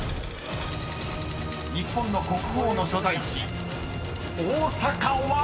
［日本の国宝の所在地大阪は⁉］